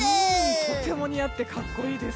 とても似合って格好いいです。